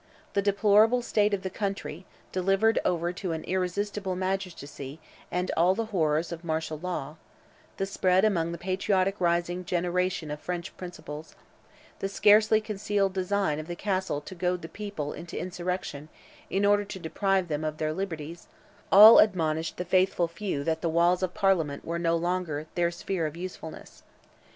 The deplorable state of the country, delivered over to an irresponsible magistracy and all the horrors of martial law; the spread among the patriotic rising generation of French principles; the scarcely concealed design of the Castle to goad the people into insurrection, in order to deprive them of their liberties; all admonished the faithful few that the walls of Parliament were no longer their sphere of usefulness.